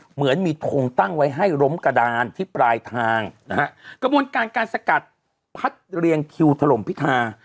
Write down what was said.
เหมือนมีทงตั้งไว้ให้ล้มกระดานที่ปลายทางนะฮะกระบวนการการสกัดพัดเรียงคิวถล่มพิธา